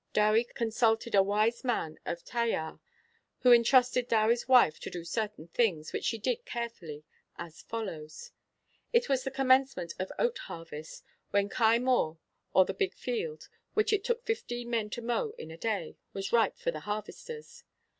Dewi consulted a wise man of Taiar, who entrusted Dewi's wife to do certain things, which she did carefully, as follows: 'It was the commencement of oat harvest, when Cae Mawr, or the big field, which it took fifteen men to mow in a day, was ripe for the harvesters.